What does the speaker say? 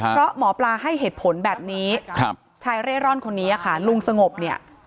เพราะหมอปลาให้เหตุผลแบบนี้ชายเร่ร่อนคนนี้ค่ะลุงสงบเนี่ย